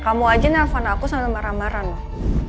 kamu aja nelfon aku sambil marah marah noh